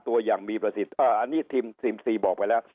ตัวอย่างมีประสิทธิ์อันนี้ทีมซิมซีบอกไปแล้ว